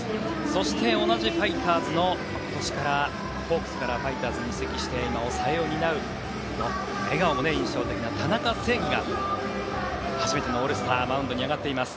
そして同じファイターズの、今年ホークスからファイターズに移籍して抑えを担う笑顔も印象的な田中正義が初めてのオールスターマウンドに上がっています。